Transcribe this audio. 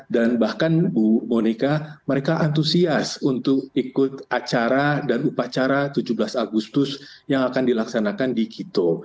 dan bahkan bu monica mereka antusias untuk ikut acara dan upacara tujuh belas agustus yang akan dilaksanakan di quito